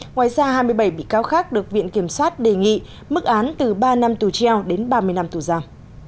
ngoài ra hai mươi bảy bị cáo khác được viện kiểm soát đề nghị mức án từ ba năm tù treo đến ba mươi năm tù giam